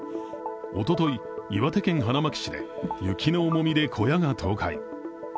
おととい、岩手県花巻市で雪の重みで小屋が倒壊。